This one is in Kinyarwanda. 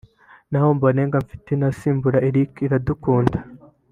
naho Omborenga Fitina asimbura Eric Iradukunda